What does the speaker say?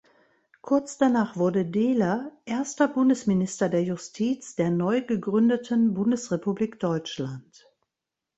Kurz danach wurde Dehler erster Bundesminister der Justiz der neu gegründeten Bundesrepublik Deutschland.